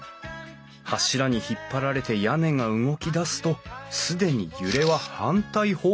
柱に引っ張られて屋根が動き出すと既に揺れは反対方向へ。